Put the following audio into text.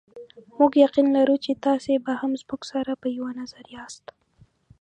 موږ یقین لرو چې تاسې به هم زموږ سره په یوه نظر یاست.